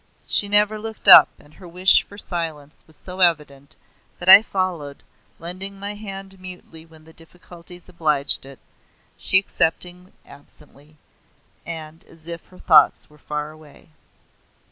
She never looked up, and her wish for silence was so evident, that I followed, lending my hand mutely when the difficulties obliged it, she accepting absently, and as if her thoughts were far away.